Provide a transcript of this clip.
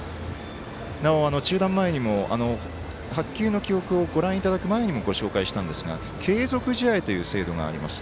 なお中断前にも「白球の記憶」をご覧いただく前にもご紹介したんですが継続試合という制度があります。